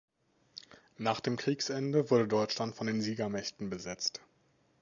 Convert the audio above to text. Nach dem Kriegsende wurde Deutschland von den Siegermächten besetzt.